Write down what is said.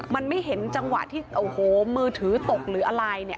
มันไม่เห็นจังหวะที่โอ้โหมือถือตกหรืออะไรเนี่ย